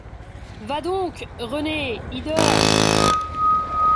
Va doncques, René! ie dors !